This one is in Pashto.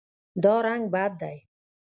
دا رنګ بد دی